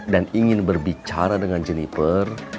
dan ingin berbicara dengan ciliper